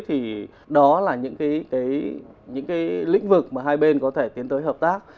thì đó là những cái lĩnh vực mà hai bên có thể tiến tới hợp tác